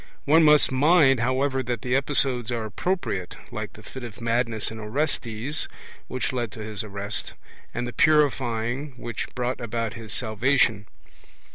One must mind, however, that the episodes are appropriate, like the fit of madness in Orestes, which led to his arrest, and the purifying, which brought about his salvation.